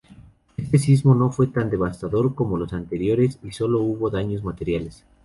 Este sismo no fue tan devastador como los anteriores y solo hubo daños materiales.